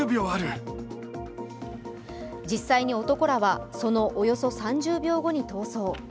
実際に男らはそのおよそ３０秒後に逃走。